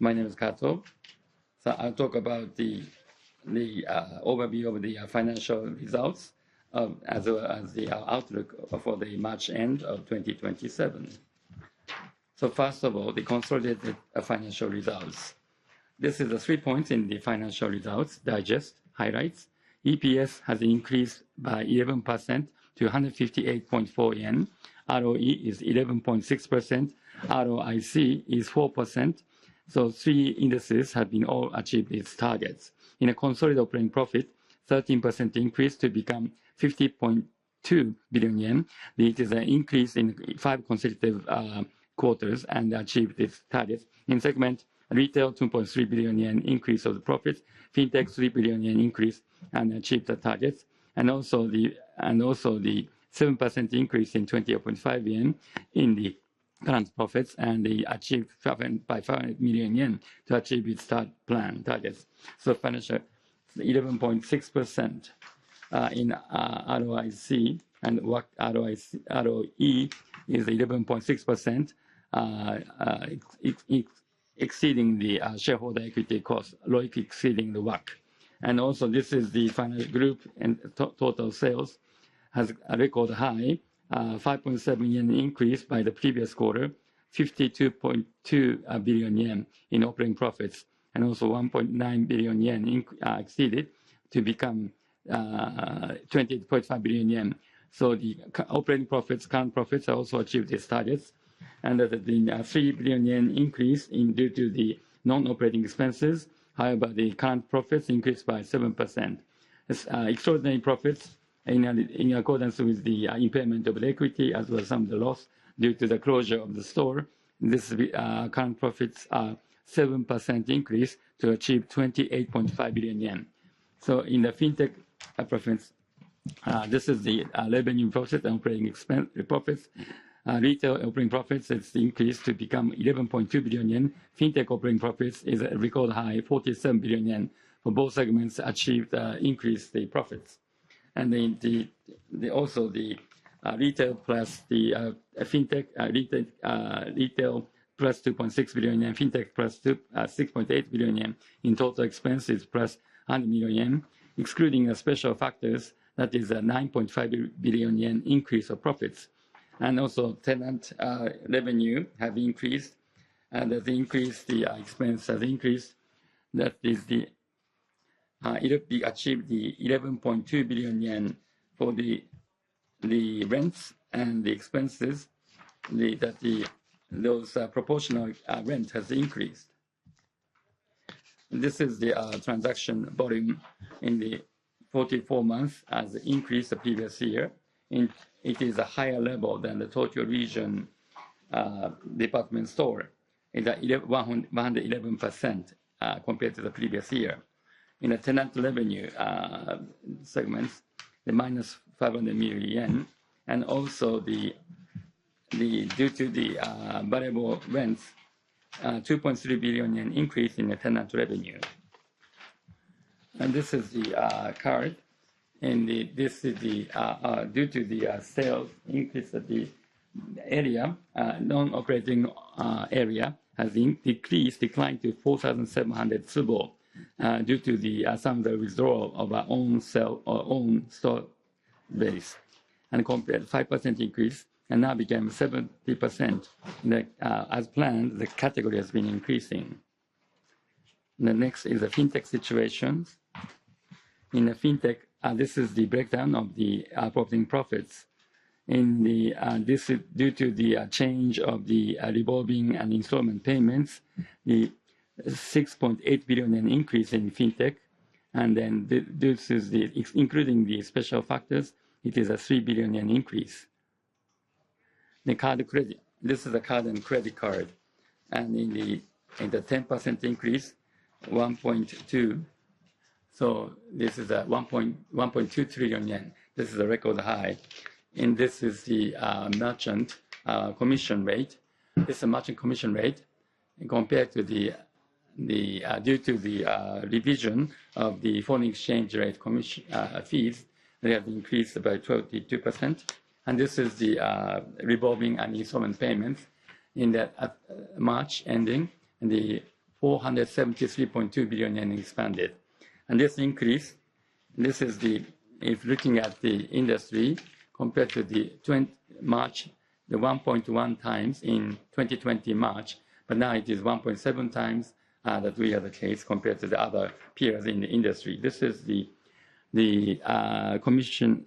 My name is Kato. I'll talk about the overview of the financial results, as well as the outlook for the March end of 2027. First of all, the consolidated financial results. This is the three points in the financial results digest highlights. EPS has increased by 11% to 158.4 yen. ROE is 11.6%. ROIC is 4%. Three indices have been all achieved its targets. In a consolidated operating profit, 13% increase to become 50.2 billion yen. It is an increase in five consecutive quarters and achieved its target. In segment retail, 2.3 billion yen increase of the profit. Fintech, 3 billion yen increase and achieved the targets. Also the 7% increase in 28.5 billion yen in the current profits and achieved by 500 million yen to achieve its set plan targets. Financial, 11.6% in ROIC and ROE is 11.6%, exceeding the shareholder equity cost, ROIC exceeding the WACC. This is the final group, and total sales has a record high, 5.7 billion yen increase by the previous quarter, 52.2 billion yen in operating profits, and also 1.9 billion yen exceeded to become 28.5 billion yen. The operating profits, current profits also achieved its targets, and the 3 billion yen increase due to the non-operating expenses, however, the current profits increased by 7%. Extraordinary profits in accordance with the impairment of equity, as well as some of the loss due to the closure of the store. This current profits are 7% increase to achieve 28.5 billion yen. In the FinTech preference, this is the revenue profit and operating expense profits. Retail operating profits has increased to become 11.2 billion yen. FinTech operating profits is a record high, 47 billion yen, for both segments achieved increase the profits. The retail plus 2.6 billion yen in FinTech plus 6.8 billion yen in total expenses plus 100 million yen, excluding special factors, that is a 9.5 billion yen increase of profits. Tenant revenue has increased, and as increased, the expense has increased. That is the achieved the 11.2 billion yen for the rents and the expenses that those proportional rent has increased. This is the transaction volume in the 44 months has increased the previous year, and it is a higher level than the total region department store. In the 111% compared to the previous year. In the tenant revenue segments, the minus 500 million yen. Due to the variable rents, 2.3 billion yen increase in the tenant revenue. This is the card, this is due to the sales increase at the area, non-operating area has decreased, declined to 4,700 stores due to some of the withdrawal of our own store base. Compared 5% increase and now became 70%. As planned, the category has been increasing. The next is the fintech situations. In the fintech, this is the breakdown of the operating profits. This is due to the change of the revolving and installment payments, the 6.8 billion increase in fintech, this is including the special factors, it is a 3 billion yen increase. The card credit. This is the card and credit card, in the 10% increase, 1.2, this is a 1.2 trillion yen. This is a record high. This is the merchant commission rate. This merchant commission rate, due to the revision of the foreign exchange rate fees, they have increased by 32%. This is the revolving and installment payments in that March ending, and the 473.2 billion yen expanded. This increase, this is if looking at the industry compared to the March, the 1.1 times in 2020 March, but now it is 1.7 times that we are the case compared to the other peers in the industry. This is the commission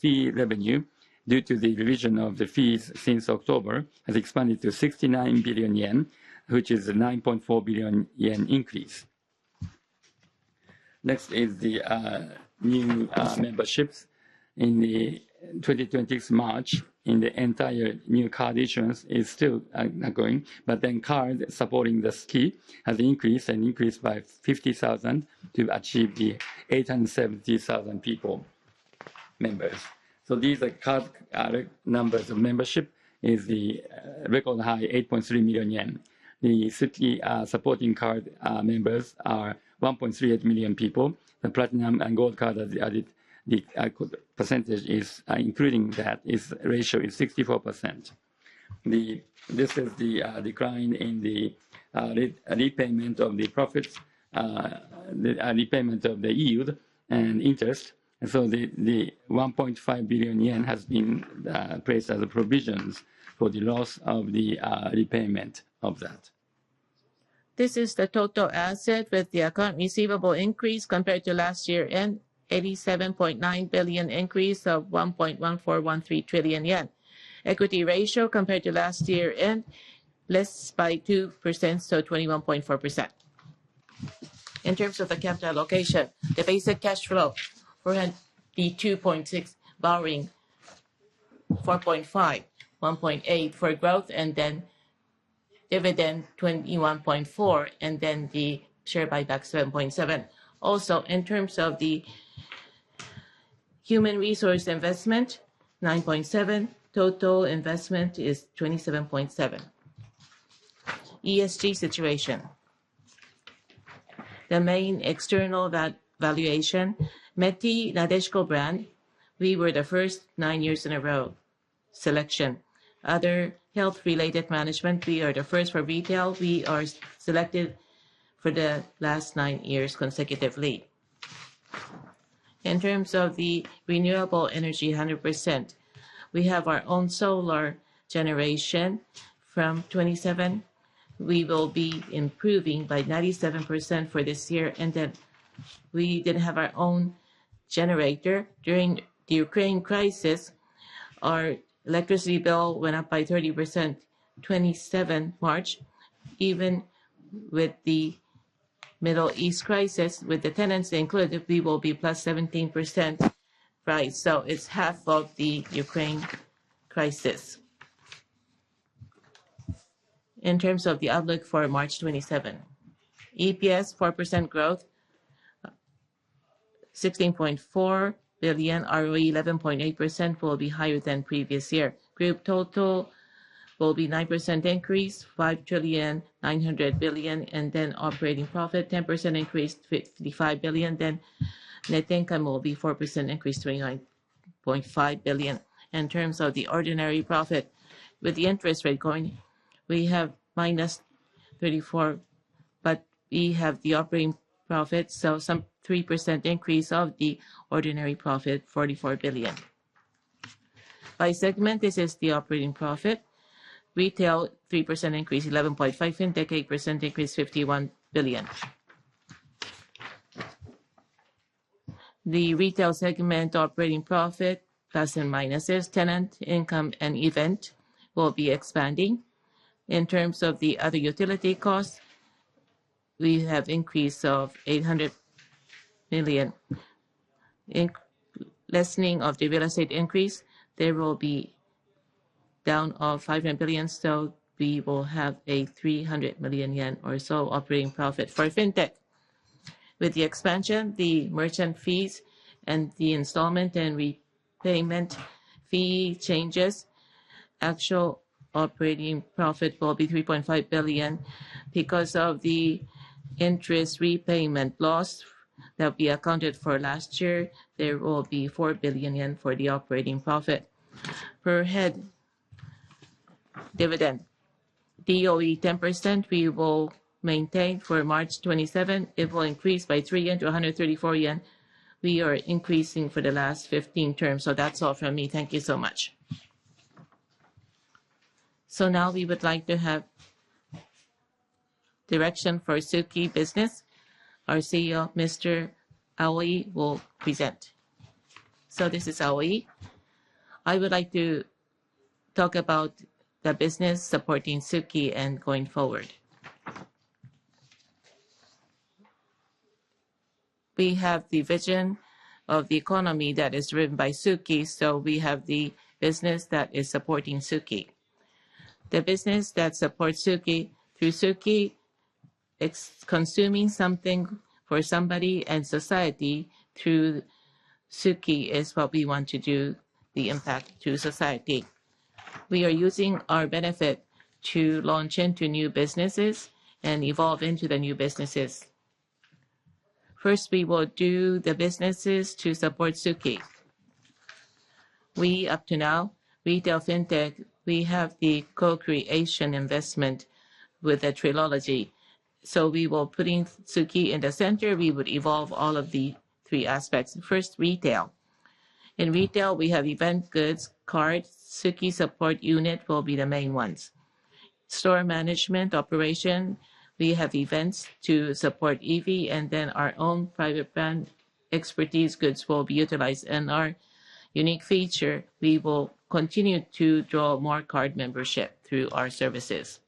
fee revenue due to the revision of the fees since October, has expanded to 69 billion yen, which is a 9.4 billion yen increase. Next is the new memberships in the 2026 March in the entire new card issuance is still not going, but then card supporting the Suica has increased, and increased by 50,000 to achieve the 870,000 peoplemembers. These are card numbers of membership is the record high 8.3 million yen. The Suki supporting card members are 1.38 million people. The Platinum Card and Gold Card, the added percentage including that is a ratio is 64%. This is the decline in the repayment of the profits, the repayment of the yield and interest, and so the 1.5 billion yen has been placed as a provisions for the loss of the repayment of that. This is the total asset with the account receivable increase compared to last year end, 87.9 billion increase of 1.1413 trillion yen. Equity ratio compared to last year end, less by 2%, so 21.4%. In terms of the capital allocation, the basic cash flow will be 2.6, borrowing 4.5, 1.8 for growth, and then dividend 21.4, and then the share buyback 7.7. Also, in terms of the human resource investment, 9.7. Total investment is 27.7. ESG situation. The main external valuation, METI Nadeshiko Brand, we were the first nine years in a row selection. Other health-related management, we are the first for retail. We are selected for the last nine years consecutively. In terms of the renewable energy 100%, we have our own solar generation from 2027. We will be improving by 97% for this year, and then we didn't have our own generator during the Ukraine crisis. Our electricity bill went up by 30%, 27 March. Even with the Middle East crisis, with the tenants included, we will be +17% rise. It's half of the Ukraine crisis. In terms of the outlook for March 27, EPS 4% growth, 16.4 billion ROE 11.8% will be higher than previous year. Group total will be 9% increase, 5.9 trillion, operating profit 10% increase to 55 billion, net income will be 4% increase to 9.5 billion. In terms of the ordinary profit, with the interest rate going, we have -34, we have the operating profit, some 3% increase of the ordinary profit, 44 billion. By segment, this is the operating profit. Retail 3% increase, 11.5 billion. FinTech 8% increase, 51 billion. The retail segment operating profit, plus and minuses, tenant income and event will be expanding. In terms of the other utility costs, we have increase of 800 million. Lessening of the real estate increase, they will be down of 500 billion, still we will have a 300 million yen or so operating profit. For FinTech, with the expansion, the merchant fees and the installment and repayment fee changes, actual operating profit will be 3.5 billion. Because of the interest repayment loss that we accounted for last year, there will be 4 billion yen for the operating profit. Per head dividend. DOE 10%, we will maintain for March 27. It will increase by 300 yen to 134 yen. We are increasing for the last 15 terms. That's all from me. Thank you so much. We would like to have direction for SUKI business. Our CEO, Mr. Aoi, will present. This is Aoi. I would like to talk about the business supporting SUKI and going forward. We have the vision of the economy that is driven by SUKI, so we have the business that is supporting SUKI. The business that supports SUKI through SUKI, it's consuming something for somebody and society through SUKI is what we want to do the impact to society. We are using our benefit to launch into new businesses and evolve into the new businesses. First, we will do the businesses to support SUKI. We, up to now, Retail FinTech, we have the co-creation investment with the trilogy. We will putting SUKI in the center, we would evolve all of the three aspects. First, retail. In retail, we have event goods, cards, SUKI support unit will be the main ones. Store management operation, we have events to support EV, then our own private brand expertise goods will be utilized. Our unique feature, we will continue to draw more card membership through our services.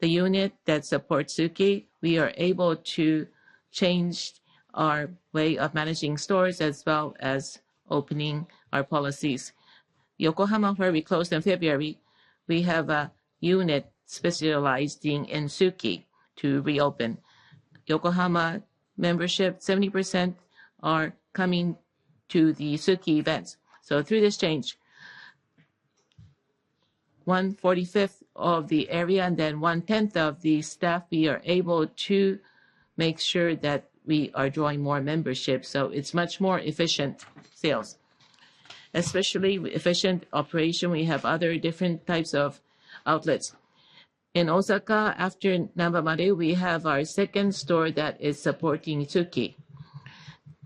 The unit that supports SUKI, we are able to change our way of managing stores as well as opening our policies. Yokohama, where we closed in February, we have a unit specializing in SUKI to reopen. Yokohama membership, 70% are coming to the SUKI events. Through this change, 1/45th of the area then 1/10th of the staff, we are able to make sure that we are drawing more membership, it's much more efficient sales. Especially efficient operation, we have other different types of outlets. In Osaka, after Namba Marui, we have our second store that is supporting SUKI.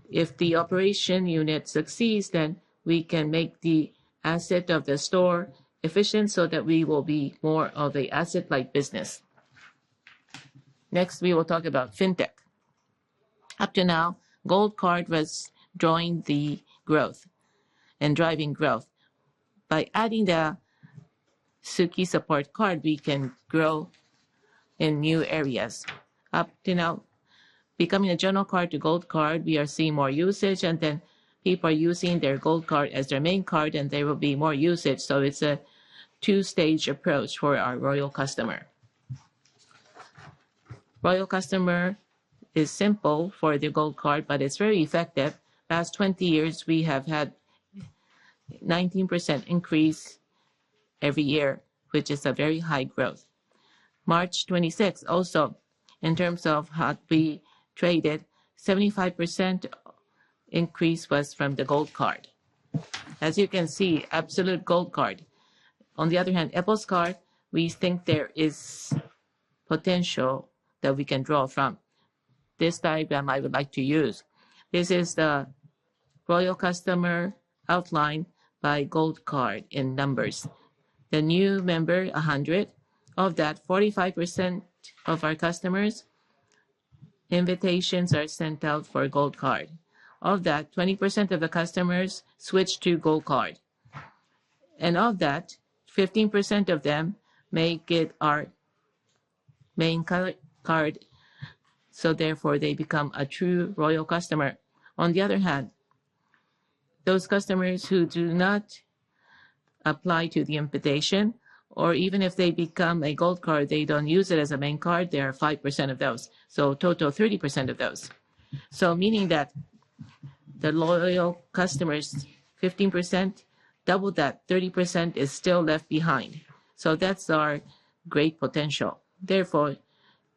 If the operation unit succeeds, then we can make the asset of the store efficient so that we will be more of an asset-like business. Next, we will talk about fintech. Up to now, Gold Card was drawing the growth and driving growth. By adding the Suki Supporting Card, we can grow in new areas. Up to now, becoming a general card to Gold Card, we are seeing more usage, and then people are using their Gold Card as their main card, and there will be more usage. It's a 2-stage approach for our royal customer. Royal customer is simple for the Gold Card, but it's very effective. The last 20 years, we have had 19% increase every year, which is a very high growth. March 26th, also, in terms of how it be traded, 75% increase was from the Gold Card. As you can see, absolute Gold Card. EPOS Card, we think there is potential that we can draw from. This diagram I would like to use. This is the royal customer outline by Gold Card in numbers. The new member, 100. Of that, 45% of our customers' invitations are sent out for a Gold Card. Of that, 20% of the customers switch to Gold Card. Of that, 15% of them make it our main card, so therefore they become a true royal customer. Those customers who do not apply to the invitation, or even if they become a Gold Card, they don't use it as a main card, there are 5% of those. Total, 30% of those. Meaning that the loyal customers, 15%, double that, 30% is still left behind. That's our great potential.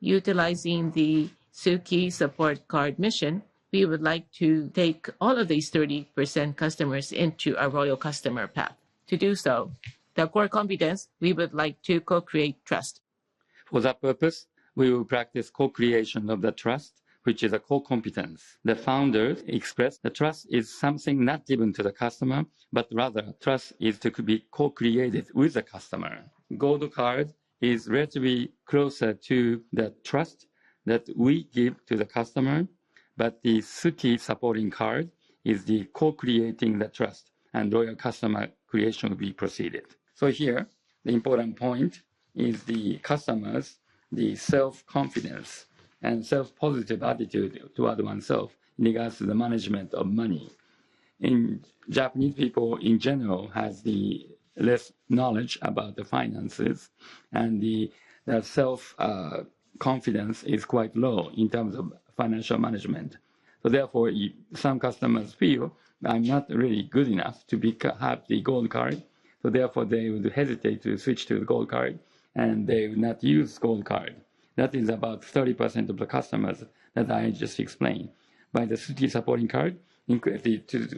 Utilizing the Suki Supporting Card mission, we would like to take all of these 30% customers into our royal customer path. To do so, the core competence, we would like to co-create trust. For that purpose, we will practice co-creation of the trust, which is a core competence. The founder expressed the trust is something not given to the customer, but rather, trust is to be co-created with the customer. Gold Card is relatively closer to the trust that we give to the customer, but the Suki Supporting Card is the co-creating the trust and loyal customer creation will be proceeded. Here, the important point is the customers, the self-confidence, and self-positive attitude to other oneself in regards to the management of money. Japanese people, in general, has the less knowledge about the finances, and their self-confidence is quite low in terms of financial management. Therefore, some customers feel, "I'm not really good enough to have the Gold Card." Therefore, they would hesitate to switch to the Gold Card, and they would not use Gold Card. That is about 30% of the customers, as I just explained. By the Suki Supporting Card,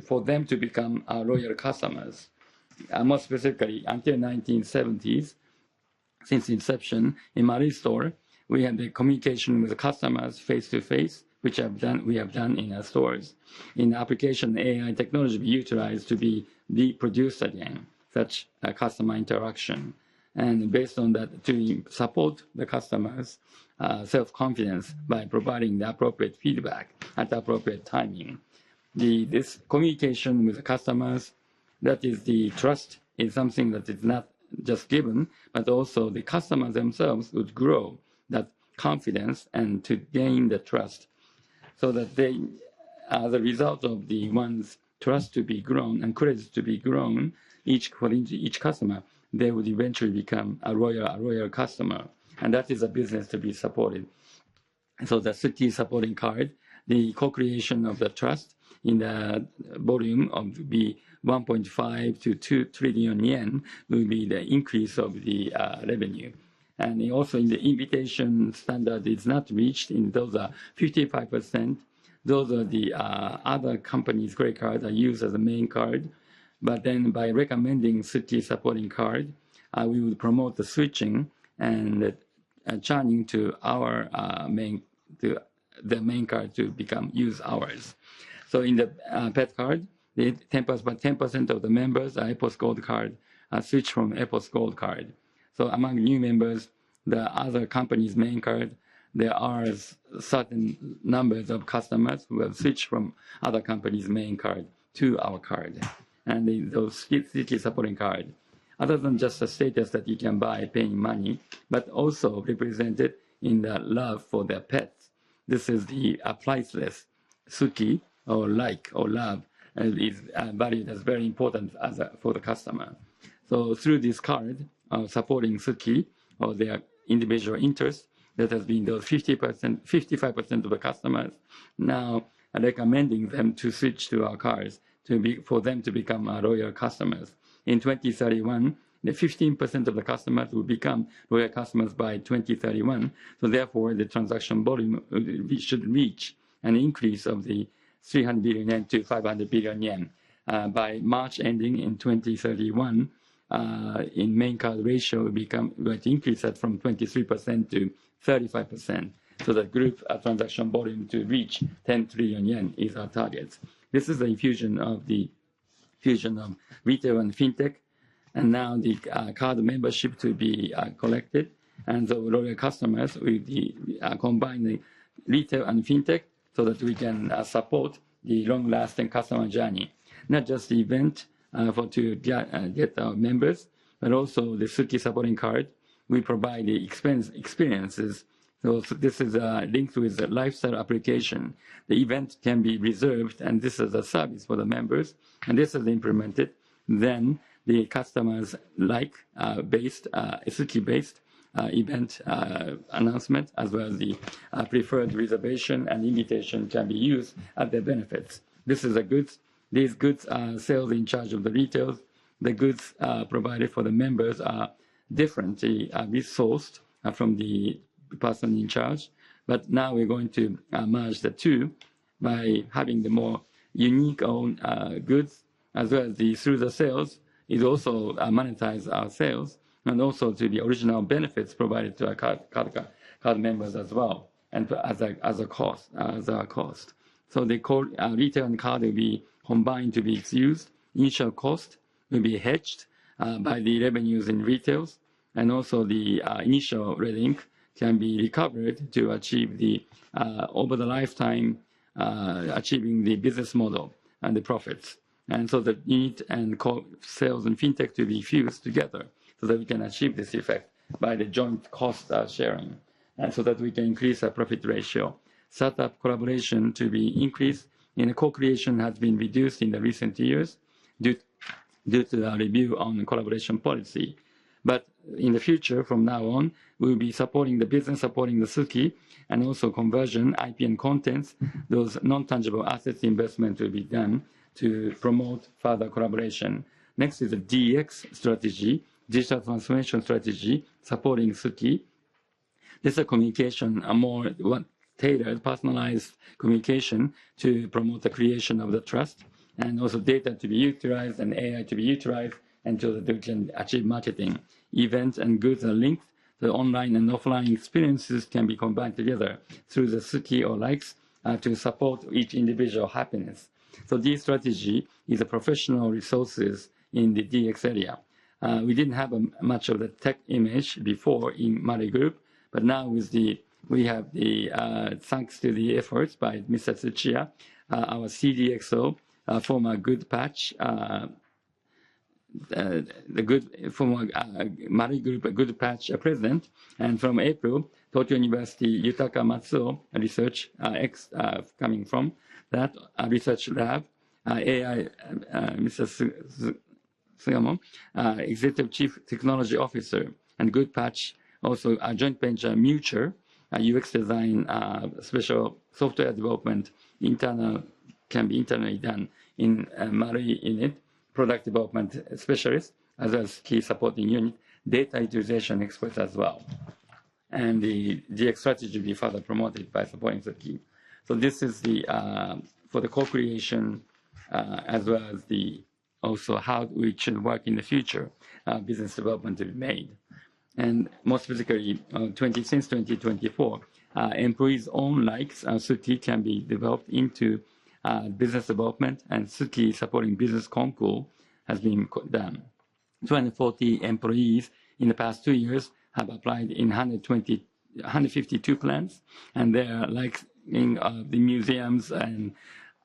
for them to become our loyal customers. More specifically, until 1970s, since inception in Marui store, we had the communication with the customers face-to-face, which we have done in our stores. In application, AI technology we utilized to be reproduced again, such customer interaction. Based on that, to support the customers' self-confidence by providing the appropriate feedback at the appropriate timing. This communication with the customers, that is the trust, is something that is not just given, but also the customers themselves would grow that confidence and to gain the trust. That they, as a result of the one's trust to be grown and credit to be grown, each customer, they would eventually become a loyal customer. That is a business to be supported. The Suki Supporting Card, the co-creation of the trust in the volume of 1.5 trillion-2 trillion yen will be the increase of the revenue. If the invitation standard is not reached in those 55%, those are the other company's credit cards are used as a main card. By recommending Suki Supporting Card, we would promote the switching and churning to the main card to become use ours. In the pet card, 10% of the members are EPOS Gold Card are switch from EPOS Gold Card. Among new members, the other company's main card, there are certain numbers of customers who will switch from other company's main card to our card. Those Suki Supporting Card, other than just a status that you can buy paying money, but also represented in the love for their pets. This is the priceless SUKI, or like, or love, is valued as very important for the customer. Through this card, supporting SUKI, or their individual interests, that has been those 55% of the customers now are recommending them to switch to our cards for them to become our loyal customers. In 2031, 15% of the customers will become loyal customers by 2031. Therefore, the transaction volume should reach an increase of the 300 billion yen to 500 billion yen. By March ending in 2031, in main card ratio increase from 23% to 35%. The group transaction volume to reach 10 trillion yen is our target. This is the fusion of retail and fintech, and now the card membership to be collected, and the loyal customers will be combining retail and fintech so that we can support the long-lasting customer journey. Not just the event for to get our members, but also the Suki Supporting Card. We provide the experiences. This is linked with the lifestyle application. The event can be reserved, and this is a service for the members, and this is implemented. The customers like SUKI-based event announcement as well as the preferred reservation and invitation can be used at their benefits. These goods are sales in charge of the retails. The goods provided for the members are differently resourced from the person in charge. Now we're going to merge the two by having the more unique own goods as well as through the sales is also monetize our sales, and also to the original benefits provided to our card members as well, and as a cost. The retail and card will be combined to be fused. Initial cost will be hedged by the revenues in retails, and also the initial red ink can be recovered to achieve over the lifetime, achieving the business model and the profits. The need and co-sales and FinTech to be fused together so that we can achieve this effect by the joint cost sharing, and so that we can increase our profit ratio. Startup collaboration to be increased, and co-creation has been reduced in the recent years due to the review on collaboration policy. In the future from now on, we'll be supporting the business, supporting the SUKI, and also conversion IP and contents. Those non-tangible assets investment will be done to promote further collaboration. Next is the DX strategy, digital transformation strategy supporting SUKI. This is a communication, a more tailored, personalized communication to promote the creation of the trust, and also data to be utilized and AI to be utilized, and so that they can achieve marketing. Events and goods are linked. The online and offline experiences can be combined together through the suki or likes, to support each individual happiness. This strategy is a professional resources in the DX area. We didn't have much of the tech image before in Marui Group. Now thanks to the efforts by Mr. Tsuchiya, our CDXO, former Goodpatch, Marui Group Goodpatch president, and from April, University of Tokyo, Yutaka Matsuo, a research ex coming from that research lab, AI, Mr. Sugiyama, Executive Chief Technology Officer and Goodpatch also a joint venture, Muture, a UX design, special software development can be internally done in Marui in it, product development specialist, as well as key supporting unit, data utilization expert as well. The DX strategy will be further promoted by supporting the team. This is for the co-creation, as well as also how we should work in the future business development to be made. Most physically, since 2024, employees' own likes SUKI can be developed into business development and SUKI supporting business concours has been done. 240 employees in the past two years have applied in 152 plans, and their likes in the museums and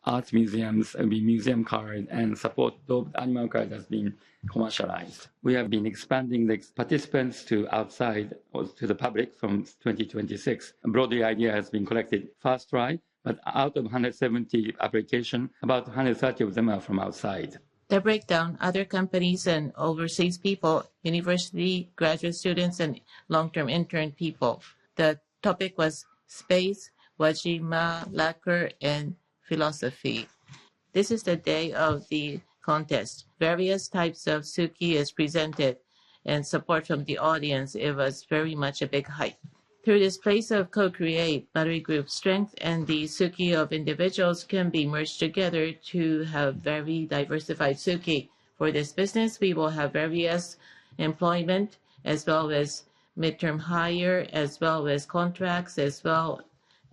art museums, the Museum Card, and support animal card has been commercialized. We have been expanding the participants to outside or to the public from 2026. Broadly idea has been collected first try, but out of 170 application, about 130 of them are from outside. The breakdown, other companies and overseas people, university graduate students, and long-term intern people. The topic was space, Wajima lacquer, and philosophy. This is the day of the contest. Various types of SUKI is presented and support from the audience. It was very much a big hype. Through this place of co-create, Marui Group strength and the SUKI of individuals can be merged together to have very diversified SUKI. For this business, we will have various employment as well as mid-term hire, as well as contracts, as well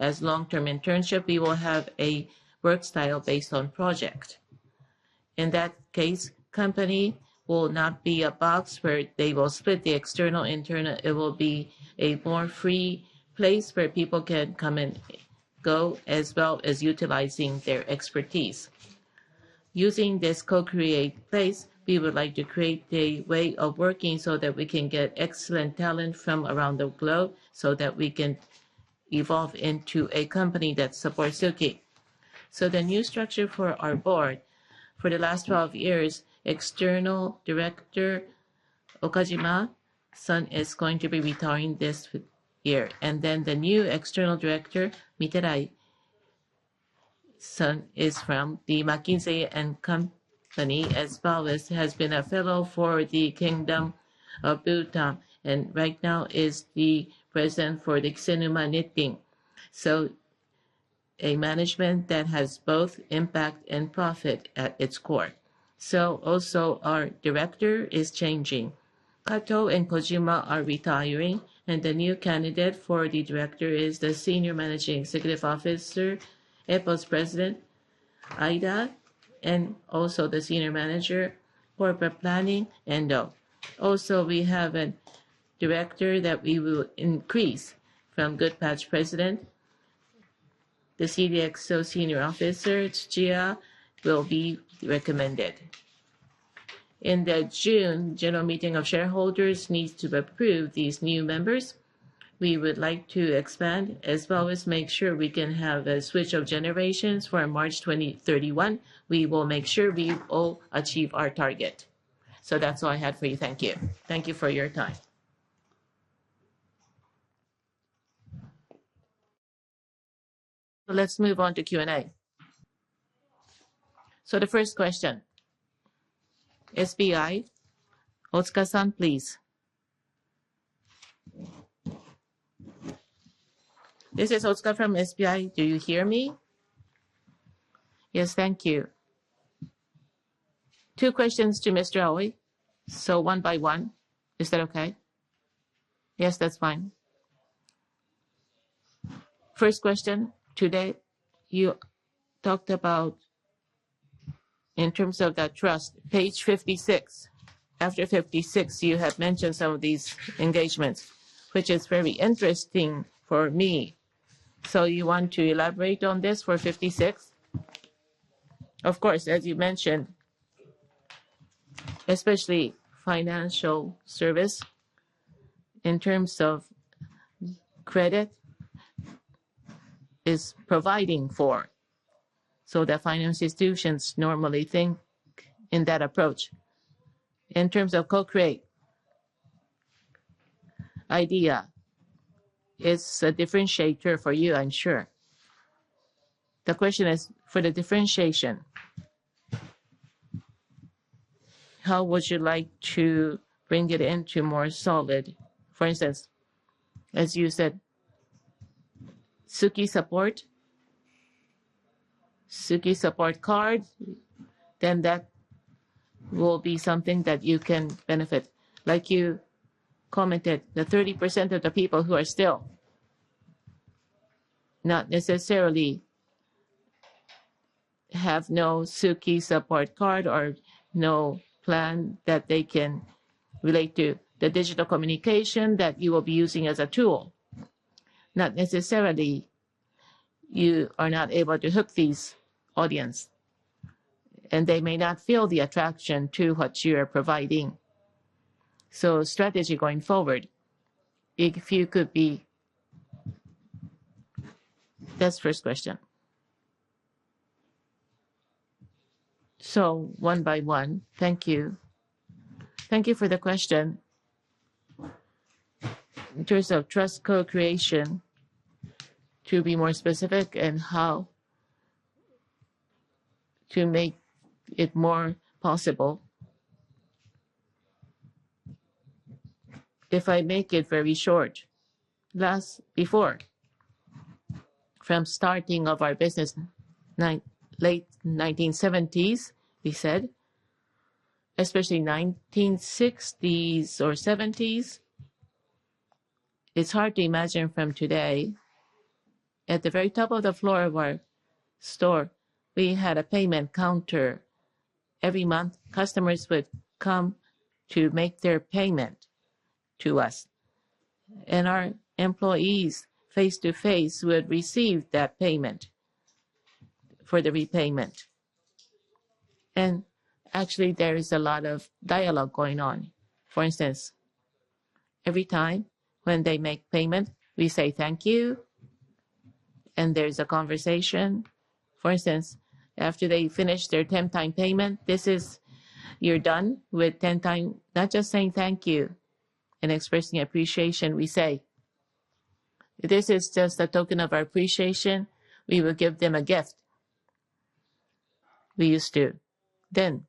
as long-term internship. We will have a work style based on project. In that case, company will not be a box where they will split the external, internal. It will be a more free place where people can come and go as well as utilizing their expertise. Using this co-create place, we would like to create a way of working so that we can get excellent talent from around the globe so that we can evolve into a company that supports SUKI. The new structure for our board for the last 12 years, External Director Okajima-san is going to be retiring this year. The new External Director, Mitarai-san, is from the McKinsey & Company, as well as has been a fellow for the Kingdom of Bhutan, and right now is the President for the Kesennuma Knitting. A management that has both impact and profit at its core. Also our director is changing. Kato and Kojima are retiring, and the new candidate for the director is the Senior Managing Executive Officer, EPOS President Aida, and also the Senior Manager Corporate Planning, Endo. We have a director that we will increase from Goodpatch President, the CDXO Senior Officer Tsuchiya will be recommended. In the June general meeting of shareholders needs to approve these new members. We would like to expand as well as make sure we can have a switch of generations for March 2031. We will make sure we all achieve our target. That's all I had for you. Thank you. Thank you for your time. Let's move on to Q&A. The first question, SBI, Otsuka-san, please. This is Otsuka from SBI. Do you hear me? Yes. Thank you. Two questions to Mr. Aoi. One by one. Is that okay? Yes, that's fine. First question. Today, you talked about in terms of the trust, page 56. After 56, you have mentioned some of these engagements, which is very interesting for me. You want to elaborate on this for 56? Of course, as you mentioned, especially financial services in terms of credit is providing for, so the financial institutions normally think in that approach. In terms of co-create idea, it's a differentiator for you, I'm sure. The question is, for the differentiation, how would you like to bring it into more solid? For instance, as you said, Suki support, Suki support card, then that will be something that you can benefit. Like you commented, the 30% of the people who are still not necessarily have no Suki support card or no plan that they can relate to the digital communication that you will be using as a tool. Not necessarily, you are not able to hook these audiences, and they may not feel the attraction to what you are providing. Strategy going forward. That's first question. One by one. Thank you. Thank you for the question. In terms of trust co-creation, to be more specific and how to make it more possible. If I make it very short, thus before, from starting of our business late 1970s, we said, especially 1960s or '70s, it's hard to imagine from today. At the very top of the floor of our store, we had a payment counter. Every month, customers would come to make their payment to us, our employees face-to-face would receive that payment for the repayment. Actually, there is a lot of dialogue going on. For instance, every time when they make payment, we say, "Thank you," and there's a conversation. For instance, after they finish their 10-time payment, you're done with 10-time, not just saying thank you and expressing appreciation, we say, "This is just a token of our appreciation." We will give them a gift. We used to then.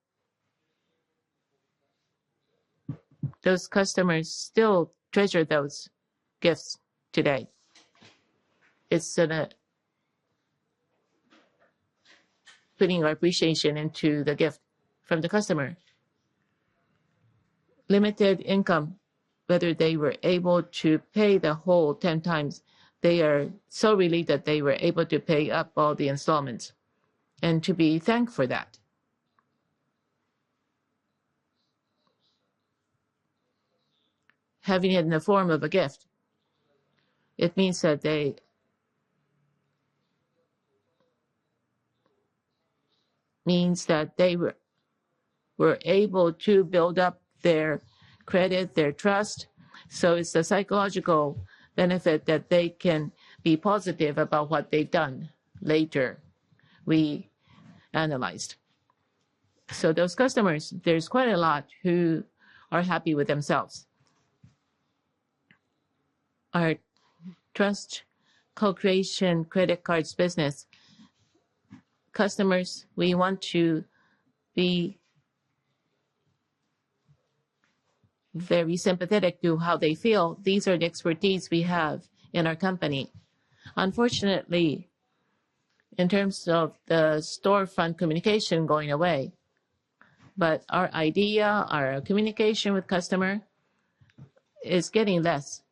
Those customers still treasure those gifts today. It's putting our appreciation into the gift from the customer. Limited income, whether they were able to pay the whole 10 times, they are so relieved that they were able to pay up all the installments and to be thanked for that. Having it in the form of a gift, it means that they were able to build up their credit, their trust. It's a psychological benefit that they can be positive about what they've done later, we analyzed. Those customers, there's quite a lot who are happy with themselves. Our trust co-creation credit cards business. Customers, we want to be very sympathetic to how they feel. These are the expertise we have in our company. Unfortunately, in terms of the storefront communication going away, but our idea, our communication with customer is getting less.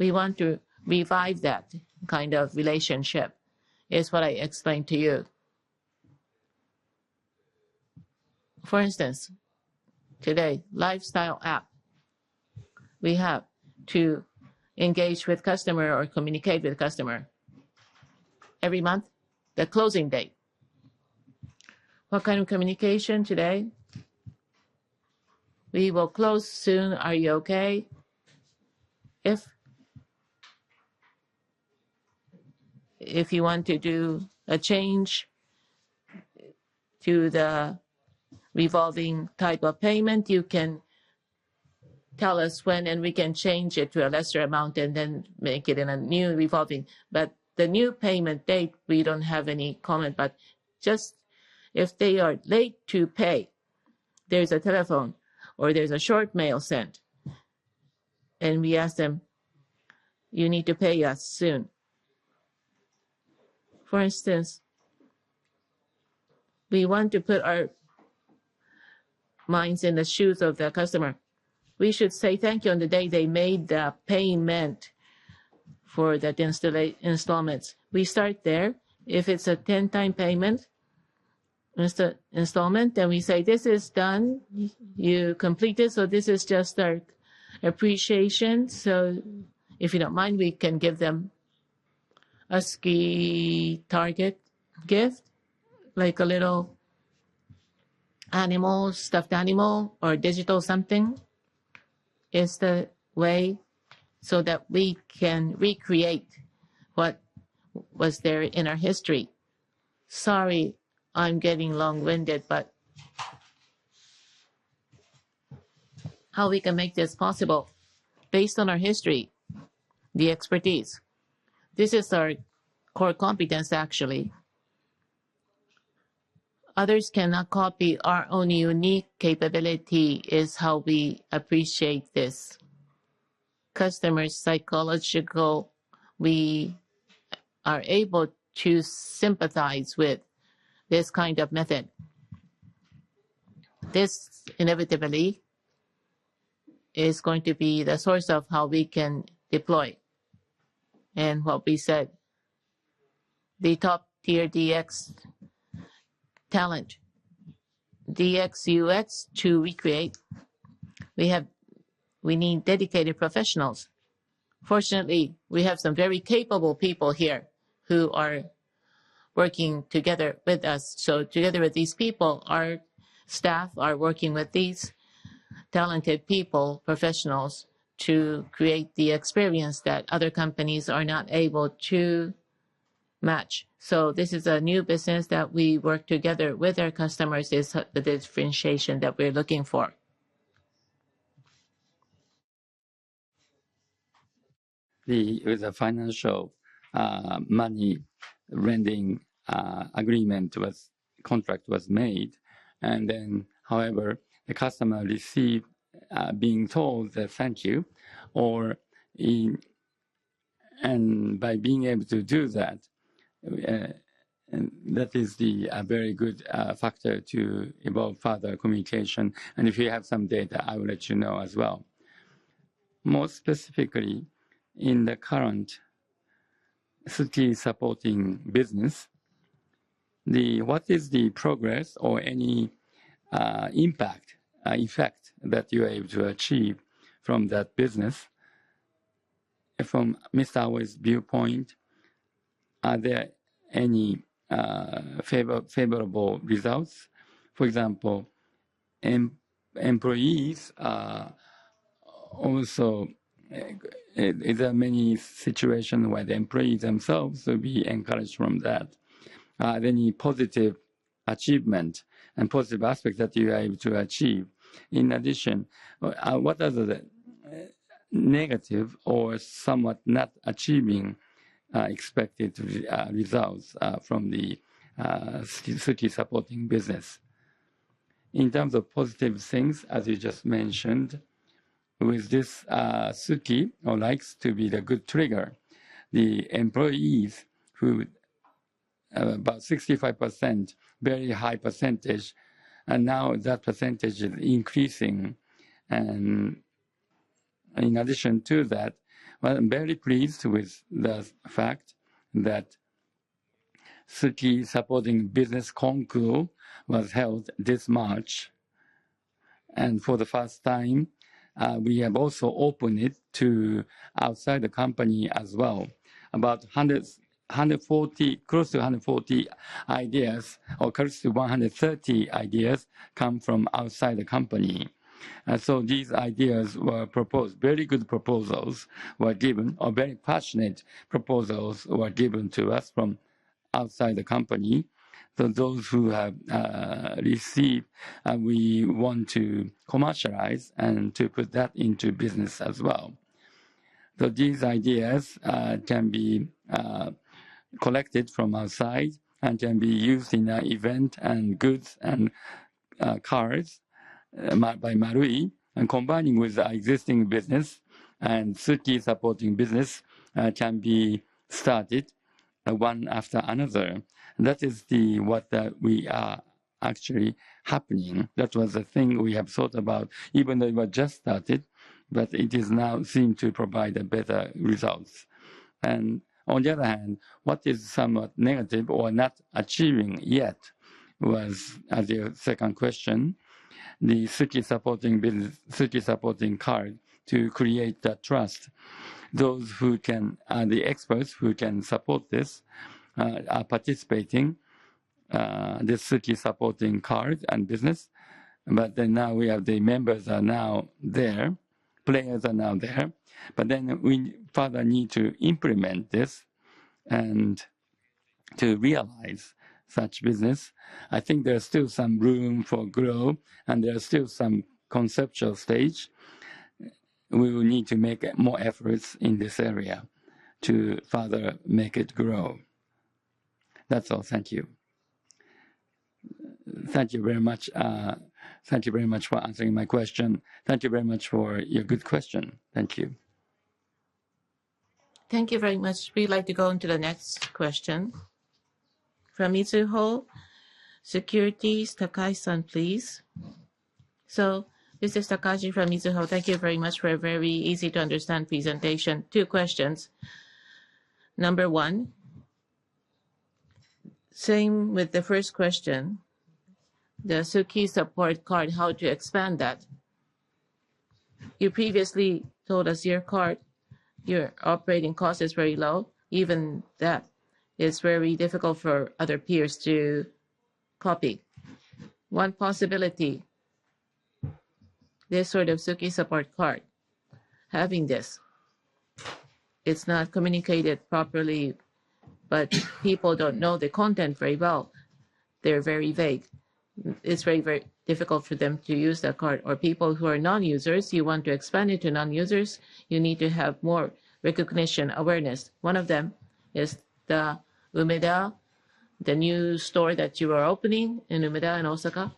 We want to revive that kind of relationship, is what I explained to you. For instance, today, lifestyle app, we have to engage with customer or communicate with customer every month, the closing date. What kind of communication today? We will close soon. Are you okay? If you want to do a change to the revolving type of payment, you can tell us when, and we can change it to a lesser amount and then make it in a new revolving. The new payment date, we don't have any comment, but just if they are late to pay, there's a telephone or there's a short mail sent, and we ask them, "You need to pay us soon." For instance, we want to put our minds in the shoes of the customer. We should say thank you on the day they made the payment for that installment. We start there. If it's a 10-time payment installment, then we say, "This is done. You completed, so this is just our appreciation. If you don't mind, we can give them a Suki target gift," like a little stuffed animal or digital something, is the way so that we can recreate what was there in our history. Sorry, I'm getting long-winded, but how we can make this possible based on our history, the expertise. This is our core competence, actually. Others cannot copy. Our own unique capability is how we appreciate this. We are able to sympathize with this kind of method. This inevitably is going to be the source of how we can deploy. What we said, the top-tier DX talent. DX/UX to recreate, we need dedicated professionals. Fortunately, we have some very capable people here who are working together with us. Together with these people, our staff are working with these talented people, professionals, to create the experience that other companies are not able to match. This is a new business that we work together with our customers, is the differentiation that we're looking for. With the financial money lending agreement was contract was made, however, the customer received being told the thank you, by being able to do that is the very good factor to evolve further communication. If we have some data, I will let you know as well. More specifically, in the current Suki supporting business, what is the progress or any impact, effect that you're able to achieve from that business? From Miss Aoi's viewpoint, are there any favorable results? For example, Is there many situation where the employees themselves will be encouraged from that? Are there any positive achievement and positive aspect that you are able to achieve? In addition, what are the negative or somewhat not achieving expected results from the Suki supporting business? In terms of positive things, as you just mentioned, with this Suki likes to be the good trigger. The employees who about 65%, very high percentage, and now that percentage is increasing. In addition to that, I'm very pleased with the fact that Suki Supporting Business Contest was held this March. For the first time, we have also opened it to outside the company as well. About close to 140 ideas, or close to 130 ideas come from outside the company. These ideas were proposed. Very good proposals were given, or very passionate proposals were given to us from outside the company. Those who have received, we want to commercialize and to put that into business as well. These ideas can be collected from outside and can be used in our event and goods and cards by Marui, and combining with the existing business and Suki supporting business can be started one after another. That is what we are actually happening. That was the thing we have thought about, even though it was just started, but it is now seemed to provide better results. On the other hand, what is somewhat negative or not achieving yet was as your second question, the Suki supporting card to create that trust. The experts who can support this are participating, the Suki supporting card and business. The members are now there, players are now there, but then we further need to implement this and to realize such business. I think there is still some room for growth and there is still some conceptual stage. We will need to make more efforts in this area to further make it grow. That's all. Thank you. Thank you very much for answering my question. Thank you very much for your good question. Thank you. Thank you very much. We'd like to go into the next question. From Mizuho Securities, Takai-san, please. This is Takai from Mizuho. Thank you very much for a very easy-to-understand presentation. Two questions. Number one, same with the first question, the Suki Supporting Card, how to expand that? You previously told us your card, your operating cost is very low, even that is very difficult for other peers to copy. One possibility, this sort of Suki Supporting Card, having this, it's not communicated properly, but people don't know the content very well. They're very vague. It's very, very difficult for them to use that card. People who are non-users, you want to expand it to non-users, you need to have more recognition, awareness. One of them is the Umeda, the new store that you are opening in Umeda, in Osaka.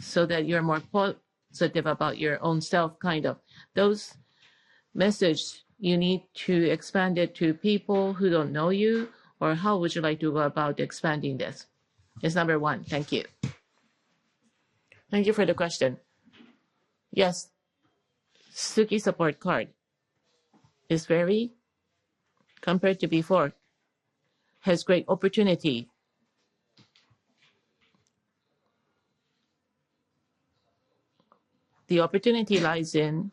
So that you're more positive about your own self, kind of. Those message, you need to expand it to people who don't know you, or how would you like to go about expanding this? It's number 1. Thank you. Thank you for the question. Yes. Suica support card, compared to before, has great opportunity. The opportunity lies in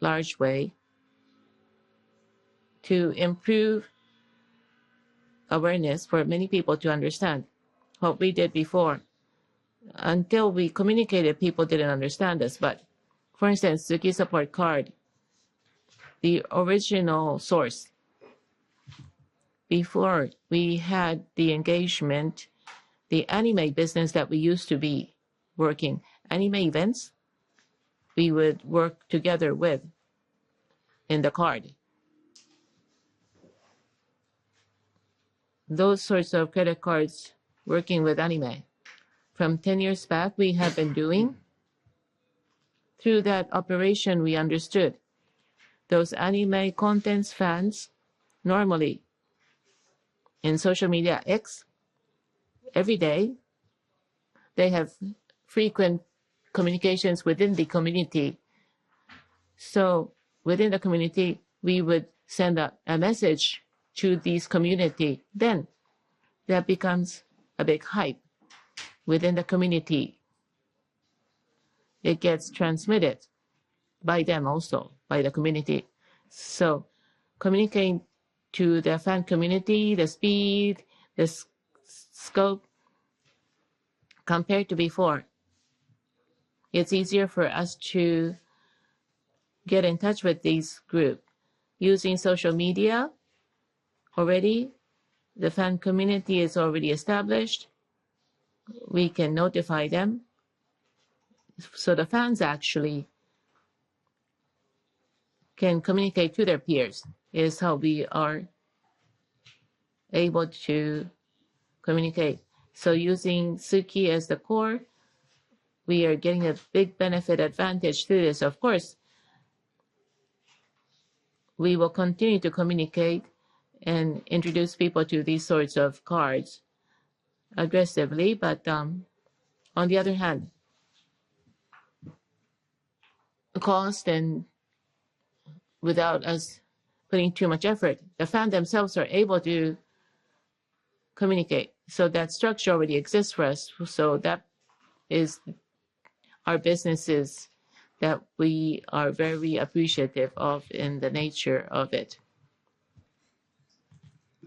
large way to improve awareness for many people to understand what we did before. Until we communicated, people didn't understand us. For instance, Suica support card, the original source. Before we had the engagement, the anime business that we used to be working, anime events, we would work together with in the card. Those sorts of credit cards working with anime. From 10 years back, we have been doing. Through that operation, we understood those anime contents fans, normally in social media, X, every day, they have frequent communications within the community. Within the community, we would send a message to this community, then that becomes a big hype within the community. It gets transmitted by them also, by the community. Communicating to the fan community, the speed, the scope, compared to before, it's easier for us to get in touch with this group. Using social media, the fan community is already established. We can notify them. The fans actually can communicate to their peers, is how we are able to communicate. Using SUKI as the core, we are getting a big benefit advantage through this. Of course, we will continue to communicate and introduce people to these sorts of cards aggressively. cost and without us putting too much effort. The fan themselves are able to communicate. That structure already exists for us. That is our businesses that we are very appreciative of in the nature of it.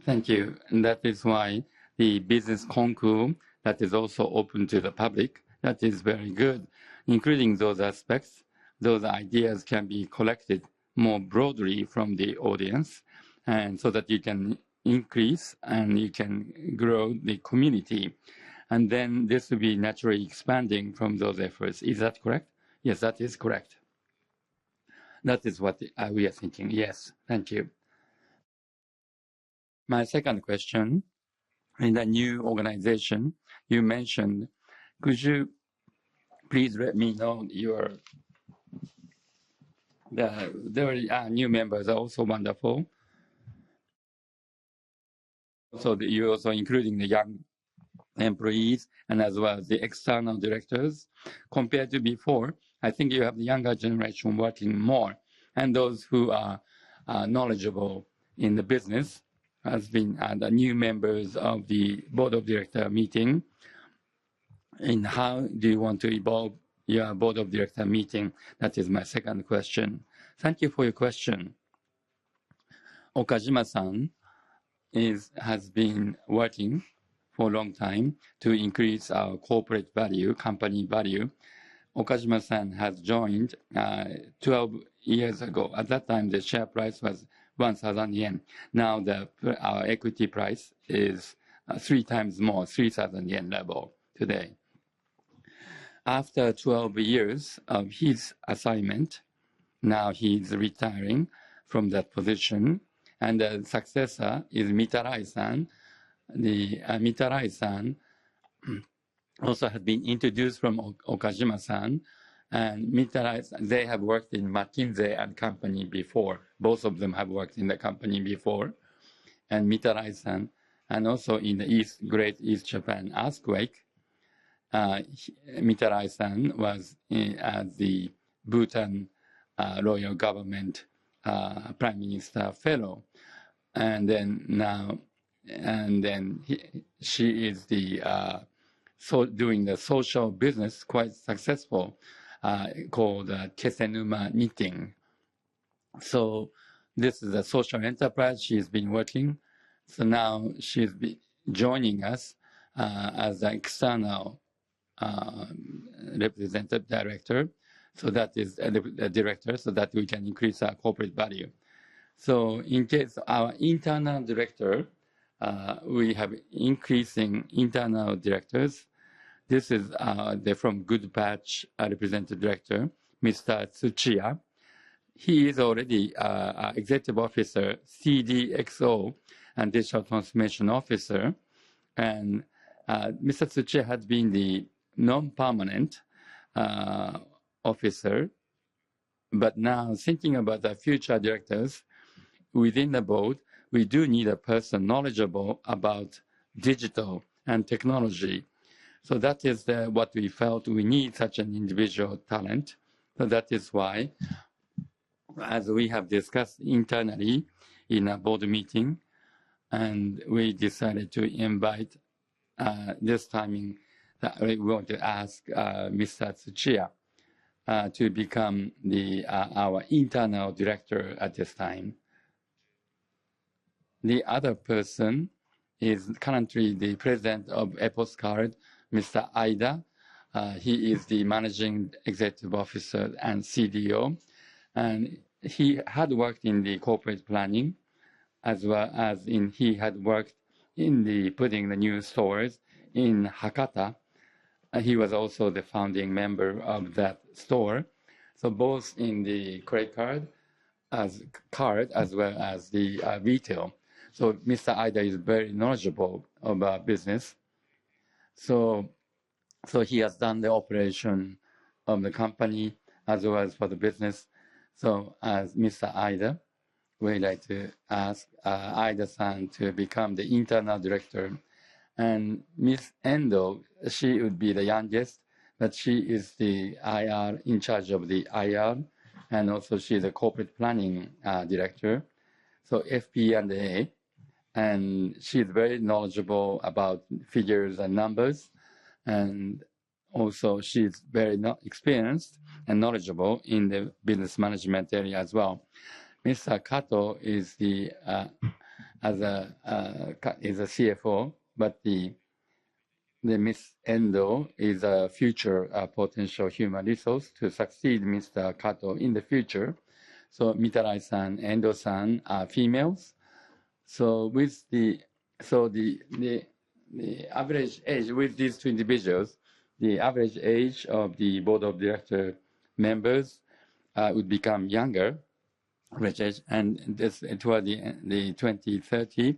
Thank you. That is why the business concours that is also open to the public, that is very good, including those aspects. Those ideas can be collected more broadly from the audience, you can increase and you can grow the community. This will be naturally expanding from those efforts. Is that correct? Yes, that is correct. That is what we are thinking. Yes. Thank you. My second question, in the new organization you mentioned, could you please let me know. There are new members, are also wonderful. You're also including the young employees and as well as the external directors. Compared to before, I think you have the younger generation working more, and those who are knowledgeable in the business has been the new members of the board of directors meeting. How do you want to evolve your board of director meeting? That is my second question. Thank you for your question. Okajima-san has been working for a long time to increase our corporate value, company value. Okajima-san has joined 12 years ago. At that time, the share price was 1,000 yen. Now our equity price is three times more, 3,000 yen level today. After 12 years of his assignment, now he is retiring from that position, and the successor is Mitarai-san. Mitarai-san also had been introduced from Okajima-san. Mitarai-san, they have worked in McKinsey & Company before. Both of them have worked in the company before. Mitarai-san, and also in the Great East Japan earthquake, Mitarai-san was the Bhutan Royal Government Prime Minister fellow. Then she is doing the social business, quite successful, called Kesennuma Knitting. This is a social enterprise she's been working. Now she's be joining us, as an external representative director, that is a director, that we can increase our corporate value. In case our internal director, we have increasing internal directors. This is from Goodpatch, our representative director, Mr. Tsuchiya. He is already Executive Officer, CDXO, and digital transformation officer. Mr. Tsuchiya had been the non-permanent officer. Now thinking about the future directors within the board, we do need a person knowledgeable about digital and technology. That is what we felt we need such an individual talent. That is why, as we have discussed internally in a board meeting, we decided to invite, this timing, we want to ask Mr. Tsuchiya to become our internal director at this time. The other person is currently the President of Epos Card, Mr. Aida. He is the Managing Executive Officer and CDO. He had worked in the corporate planning, as well as in putting the new stores in Hakata. He was also the founding member of that store. Both in the credit card, as well as the retail. Mr. Ida is very knowledgeable about business. He has done the operation of the company as well as for the business. As Mr. Ida, we like to ask Ida-san to become the internal director. Ms. Endo, she would be the youngest, but she is in charge of the IR, and also she is a corporate planning director, so FP&A. She is very knowledgeable about figures and numbers, and also she is very experienced and knowledgeable in the business management area as well. Mr. Kato is the CFO, but Ms. Endo is a future potential human resource to succeed Mr. Kato in the future. Mitarai-san, Endo-san are females. With these two individuals, the average age of the board of director members would become younger, which is toward the 2030.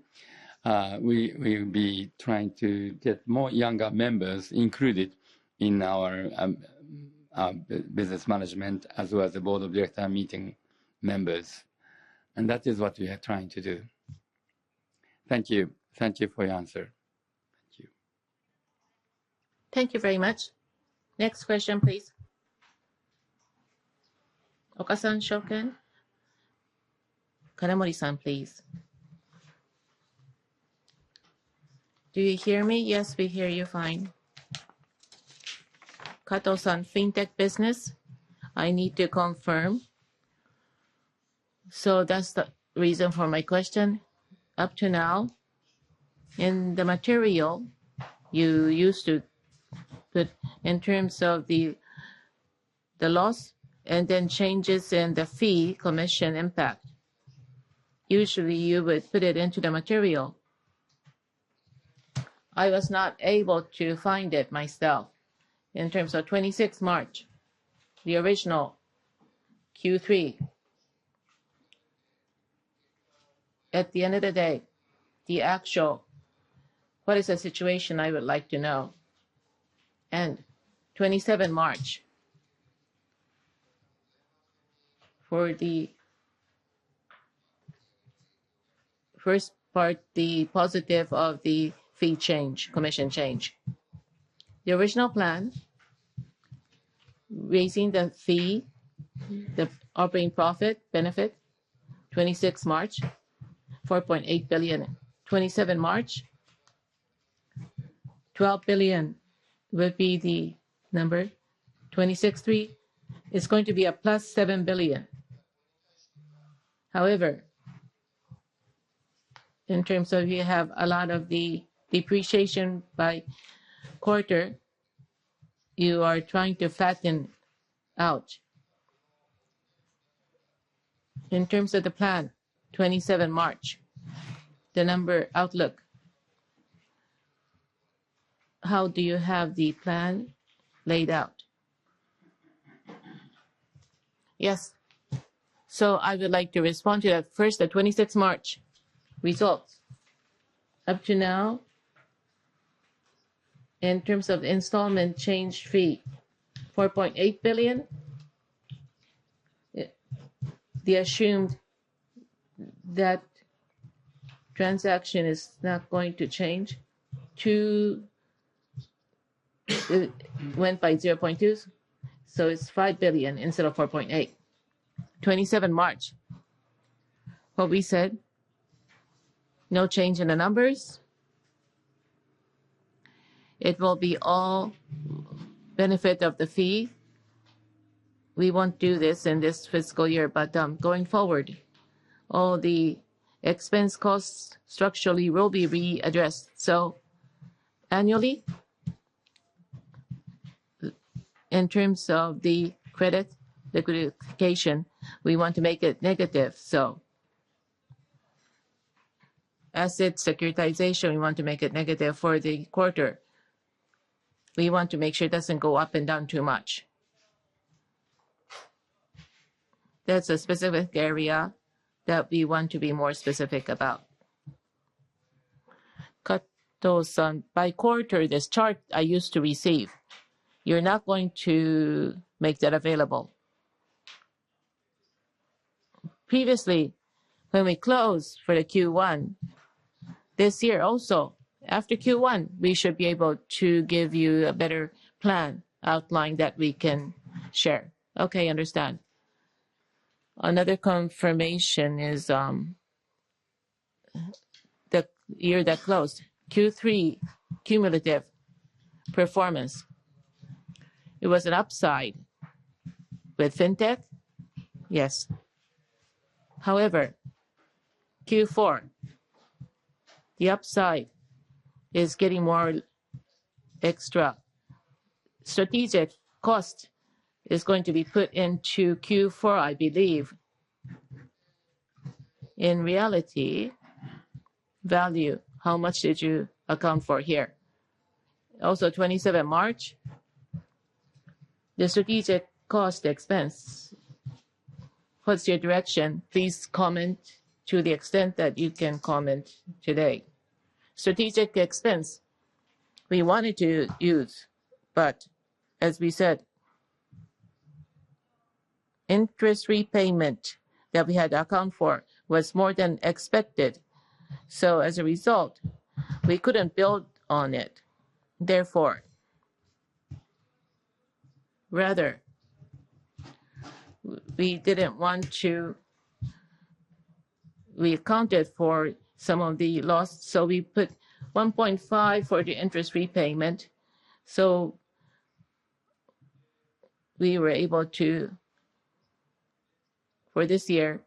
We will be trying to get more younger members included in our business management as well as the board of director meeting members, and that is what we are trying to do. Thank you. Thank you for your answer Thank you very much. Next question, please. Okasan Securities. Kanamori-san, please. Do you hear me? Yes, we hear you fine. Kato-san, FinTech business, I need to confirm. That's the reason for my question. Up to now, in the material you used to put in terms of the loss, and then changes in the fee commission impact. Usually, you would put it into the material. I was not able to find it myself in terms of 26 March, the original Q3. At the end of the day, the actual, what is the situation? I would like to know. 27 March. For the first part, the positive of the fee change, commission change. The original plan, raising the fee, the operating profit benefit 26 March, 4.8 billion. 27 March, 12 billion would be the number. 26, three. It's going to be a plus 7 billion. However, in terms of you have a lot of the depreciation by quarter, you are trying to fatten out. In terms of the plan, 27 March, the number outlook. How do you have the plan laid out? Yes. I would like to respond to that. First, the 26 March results. Up to now, in terms of installment change fee, JPY 4.8 billion. They assumed that transaction is not going to change to. It went by 0.2 billion, so it's 5 billion instead of 4.8 billion. 27 March, what we said, no change in the numbers. It will be all benefit of the fee. We won't do this in this fiscal year, going forward, all the expense costs structurally will be readdressed. Annually, in terms of the credit liquidation, we want to make it negative. Asset securitization, we want to make it negative for the quarter. We want to make sure it doesn't go up and down too much. That's a specific area that we want to be more specific about. Kato-san, by quarter, this chart I used to receive. You're not going to make that available? Previously, when we closed for the Q1 this year also, after Q1, we should be able to give you a better plan outline that we can share. Okay, understand. Another confirmation is the year that closed, Q3 cumulative performance. It was an upside with FinTech? Yes. Q4, the upside is getting more extra. Strategic cost is going to be put into Q4, I believe. In reality, value, how much did you account for here? 27 March, the strategic cost expense. What's your direction? Please comment to the extent that you can comment today. Strategic expense, we wanted to use. As we said, interest repayment that we had account for was more than expected. As a result, we couldn't build on it. Rather, we accounted for some of the loss, so we put 1.5 for the interest repayment. We were able to, for this year,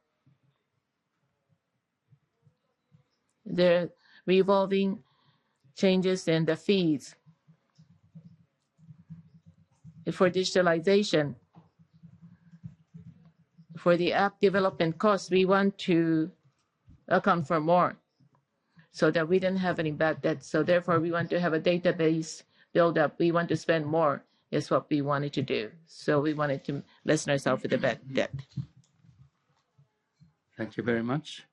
the revolving changes in the fees for digitalization. For the app development cost, we want to account for more so that we didn't have any bad debt. We want to have a database build-up. We want to spend more, is what we wanted to do. We wanted to lessen ourself with the bad debt. Thank you very much.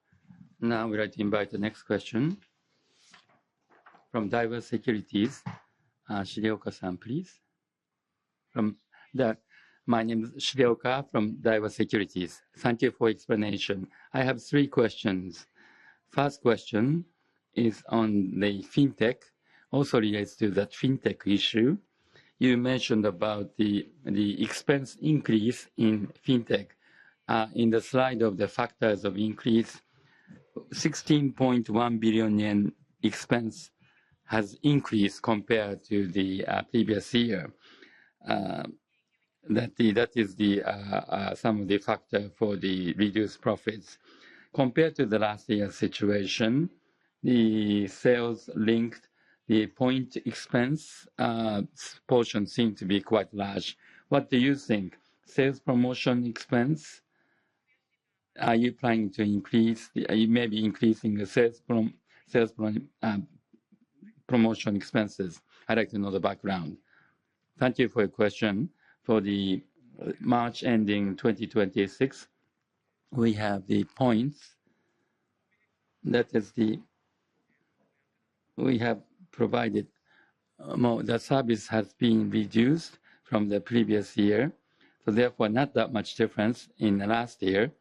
Now we'd like to invite the next question from Daiwa Securities. Shigeoka, please. From there. My name is Shigeoka from Daiwa Securities. Thank you for explanation. I have three questions. First question is on the fintech, also relates to that fintech issue. You mentioned about the expense increase in fintech, in the slide of the factors of increase, 16.1 billion yen expense has increased compared to the previous year. That is some of the factor for the reduced profits. Compared to the last year's situation, the sales linked, the point expense portion seem to be quite large. What do you think? Sales promotion expense, are you planning to maybe increasing the sales promotion expenses? I'd like to know the background. Thank you for your question. For the March ending 2026, we have the points. That is, we have provided more. The service has been reduced from the previous year, therefore, not that much difference in the last year.